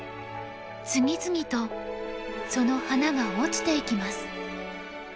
次々とその花が落ちていきます。